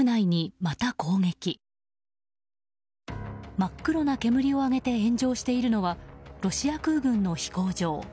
真っ黒な煙を上げて炎上しているのはロシア空軍の飛行場。